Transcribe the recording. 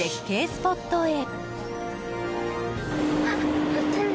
スポットへ。